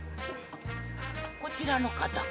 こちらの方は？